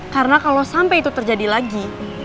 karena kalo sampe itu terjadi lagi